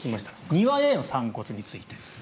庭への散骨について。